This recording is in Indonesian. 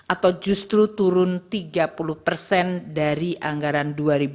atau justru turun tiga puluh persen dari anggaran dua ribu dua puluh